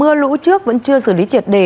mưa lũ trước vẫn chưa xử lý triệt đề